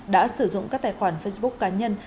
đã sử dụng các tài khoản facebook cá nhân